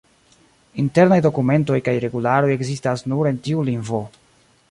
Internaj dokumentoj kaj regularoj ekzistas nur en tiu lingvo.